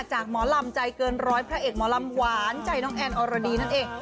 หมอลำใจเกินร้อยพระเอกหมอลำหวานใจน้องแอนอรดีนั่นเอง